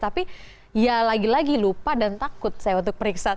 tapi ya lagi lagi lupa dan takut saya untuk periksa